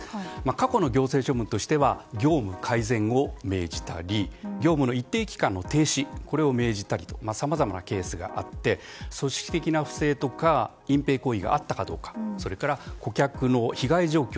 過去の行政処分としては業務改善を命じたり業務の一定期間の停止を命じたりとさまざまなケースがあって組織的な不正とか隠ぺい行為があったかどうかそれから顧客の被害状況